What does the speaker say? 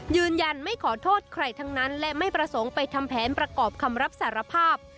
ยืนยันไม่ขอโทษใครทั้งนั้นและไม่ประสงค์ไปทำแผนประกอบคำรับสารภาพ